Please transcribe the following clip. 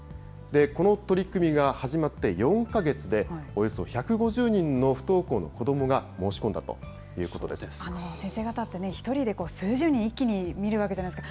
この取り組みが始まって４か月で、およそ１５０人の不登校の子ども先生方ってね、１人で数十人、一気に見るわけじゃないですか。